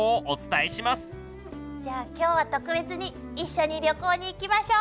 じゃ今日は特別に一緒に旅行に行きましょう。